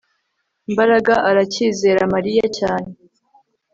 Mbaraga aracyizera Mariya cyane